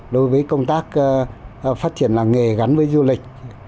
đối với công tác phát triển làng nghề gắn với du lịch